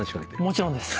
もちろんです。